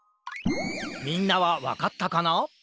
みんなはわかったかな？